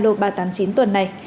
video ba trăm tám mươi chín tuần này